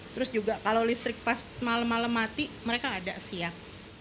terus juga kalau listrik pas malam malam mati mereka ada siap